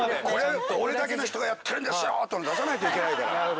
これだけの人がやってるんですよっての出さなきゃいけないから。